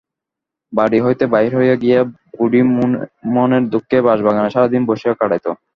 বাড়ি হইতে বাহির হইয়া গিয়া বুড়ি মনের দুঃখে বাঁশবাগানে সারাদিন বসিয়া কাটাইত।